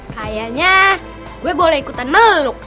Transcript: sayangnya gue boleh ikutan meluk